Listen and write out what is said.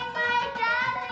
orangnya cantik banget